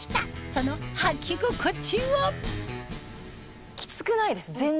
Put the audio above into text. そのはき心地は？